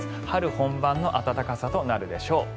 春本番の暖かさとなるでしょう。